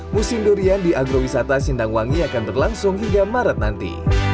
musim durian di agrowisata sindangwangi akan berlangsung hingga maret nanti